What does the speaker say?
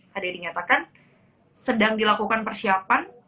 tadi dinyatakan sedang dilakukan persiapan